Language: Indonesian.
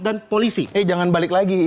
dan polisi eh jangan balik lagi